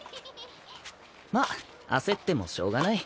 まあ焦ってもしょうがない。